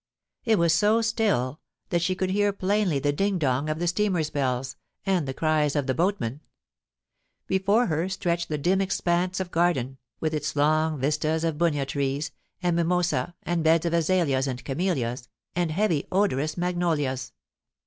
It was so still that she could hear plainly the ding dong of the steamers' bells, and the cries of the boatmen. Before her stretched the dim expanse of garden, with its long vistas of bunya trees, and mimosse, and beds of azaleas and camellias, and heavy odorous mag nolias.